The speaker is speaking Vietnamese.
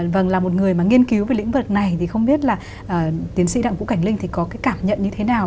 vâng là một người mà nghiên cứu về lĩnh vực này thì không biết là tiến sĩ đặng cũ cảnh linh thì có cái cảm nhận như thế nào